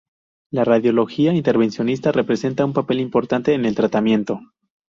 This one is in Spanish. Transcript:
La radiología intervencionista representa un papel importante en el tratamiento.